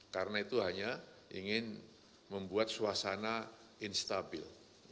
karena itu hanya ingin membuat suasana instabil